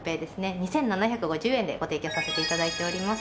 ２７５０円でご提供させて頂いております。